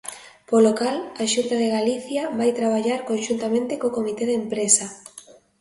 Polo cal, a Xunta de Galicia vai traballar conxuntamente co comité de empresa.